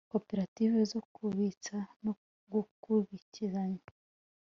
koperative zo kubitsa no kugurizanya